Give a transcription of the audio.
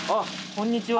こんにちは。